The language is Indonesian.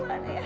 gak ada ya